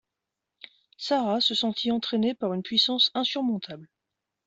Sarah se sentit entraînée par une puissance insurmontable.